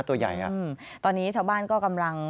ตัวใหญ่ตอนนี้ชาวบ้านก็กำลัง